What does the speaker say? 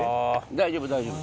大丈夫大丈夫。